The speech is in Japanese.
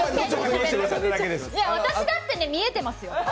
私だってね、見えてますよ！